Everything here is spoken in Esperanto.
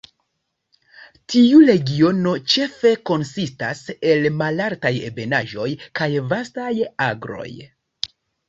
Tiu regiono ĉefe konsistas el malaltaj ebenaĵoj kaj vastaj agroj.